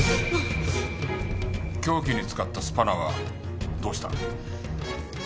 凶器に使ったスパナはどうした？